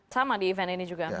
sama di event ini juga